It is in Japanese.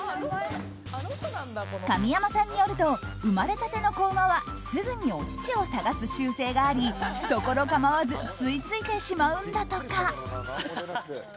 上山さんによると生まれたての子馬はすぐにお乳を探す習性があり所構わず吸い付いてしまうんだとか。